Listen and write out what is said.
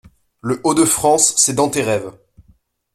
Le-Haut-de-France c’est dans tes rêves.